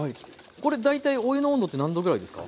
これ大体お湯の温度って何℃ぐらいですか？